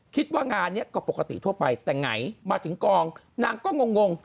คิดว่างานนี้ก็ปกติทั่วไปแต่ไหนมาถึงกองนางก็งง